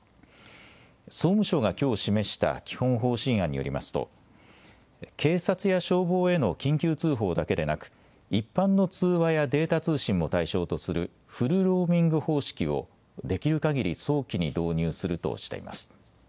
総務省がきょう示した基本方針案によりますと警察や消防への緊急通報だけでなく一般の通話やデータ通信も対象とするフルローミング方式をできるかぎり早期に導入するとしています。